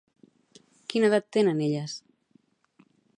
Quina edat tenen elles?